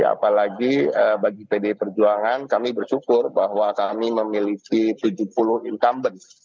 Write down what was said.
apalagi bagi pdi perjuangan kami bersyukur bahwa kami memiliki tujuh puluh incumbent